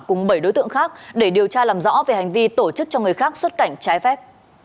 cùng bảy đối tượng khác để điều tra làm rõ về hành vi tổ chức cho người khác xuất cảnh trái phép